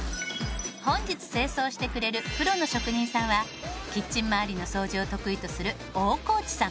本日清掃してくれるプロの職人さんはキッチン回りの掃除を得意とする大河内さん。